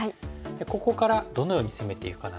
ここからどのように攻めていくかなんですけども。